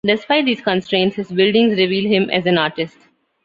Despite these constraints his buildings reveal him as an artist.